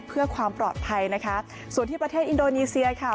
เพื่อความปลอดภัยนะคะส่วนที่ประเทศอินโดนีเซียค่ะ